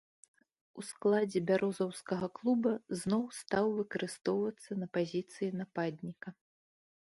У складзе бярозаўскага клуба зноў стаў выкарыстоўвацца на пазіцыі нападніка.